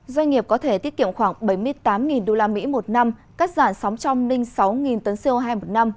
doanh nghiệp có thể tiết kiệm khoảng bảy mươi tám usd một năm cắt giản sóng trong ninh sáu tấn co hai một năm